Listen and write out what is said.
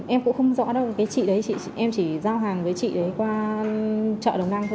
em cũng không rõ đâu em chỉ giao hàng với chị đấy qua chợ đồng đăng thôi ạ